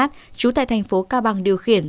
trú tại thành phố cao bằng điều khiển